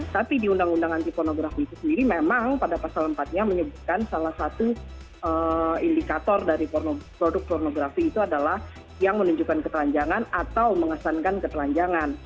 tapi di undang undang anti pornografi itu sendiri memang pada pasal empat nya menyebutkan salah satu indikator dari produk pornografi itu adalah yang menunjukkan ketelanjangan atau mengesankan ketelanjangan